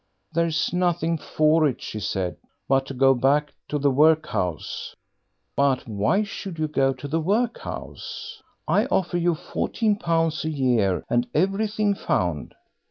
"There's nothing for it," she said, "but to go back to the workhouse." "But why should you go to the workhouse? I offer you fourteen pounds a year and everything found."